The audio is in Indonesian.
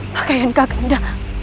pakai yang kakanda